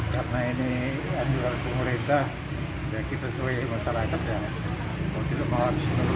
karena ini anjuran pemerintah kita sesuai masyarakatnya